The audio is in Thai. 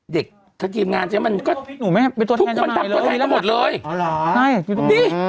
เด็กถ้าทีมงานใช่มันก็มันตัวแทนก็หมดเลยอ๋อเหรอใช่นี่